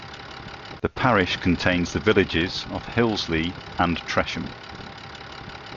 The parish contains the villages of Hillesley and Tresham.